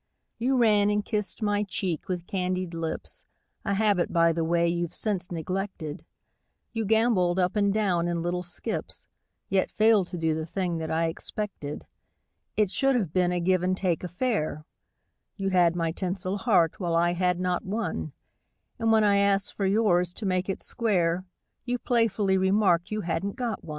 You ran and kissed my cheek with candied lips, A habit, by the way, you've since neglected ; You gambolled up and down in little skips, Yet failed to do the thing that I expected. It should have been a give and take affair; You had my tinsel heart, while I had not one, And when I asked for yours, to make it square, You playfully remarked you hadn't got one.